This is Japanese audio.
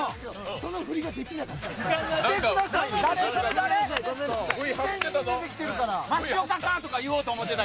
その振りができなかった。